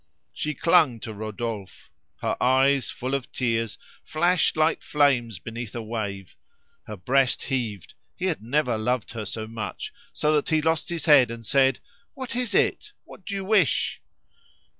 She clung to Rodolphe. Her eyes, full of tears, flashed like flames beneath a wave; her breast heaved; he had never loved her so much, so that he lost his head and said "What is, it? What do you wish?"